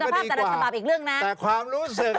จะระดับสภาพอีกเรื่องนะแต่ความรู้สึก